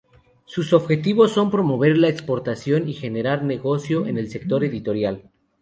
Sus objetivos son promover la exportación y generar negocio en el sector editorial.